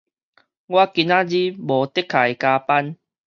我今仔日無的確會加班